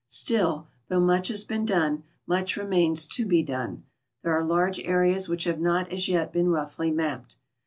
Still, though much has been done, much re mains to be done. There are large areas which have not as yet been roughly mapped.